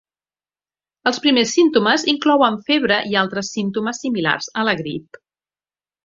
Els primers símptomes inclouen febre i altres símptomes similars a la grip.